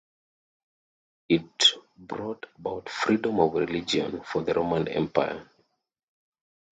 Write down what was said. It brought about freedom of religion for the Roman Empire.